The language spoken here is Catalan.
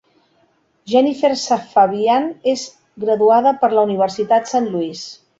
Jennifer Safavian és graduada per la Universitat Saint Louis.